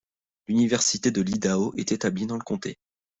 L'université de l'Idaho est établie dans le comté.